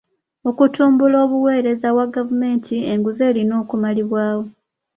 Okutumbula obuweereza bwa gavumenti enguzi erina okumalibwawo.